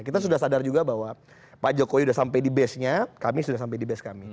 kita sudah sadar juga bahwa pak jokowi sudah sampai di base nya kami sudah sampai di base kami